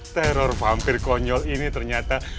teror hampir konyol ini ternyata